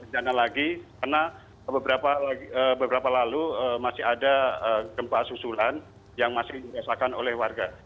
karena lagi karena beberapa lalu masih ada gempa susulan yang masih dirasakan oleh warga